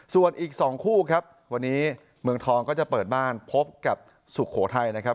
ส่วนอีก๒คู่ครับวันนี้เมืองทองก็จะเปิดบ้านพบกับสุโขทัยนะครับ